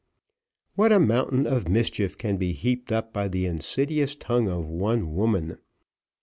What a mountain of mischief can be heaped up by the insidious tongue of one woman!